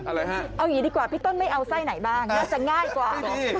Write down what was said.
อะไรฮะเอาอย่างนี้ดีกว่าพี่ต้นไม่เอาไส้ไหนบ้างน่าจะง่ายกว่า